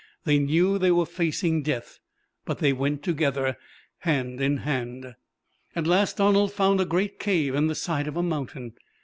They knew they were facing death. But they went together, hand in hand. "At last Donald found a great cave in the side of a mountain.